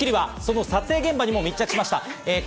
『スッキリ』はその撮影現場にも密着しました。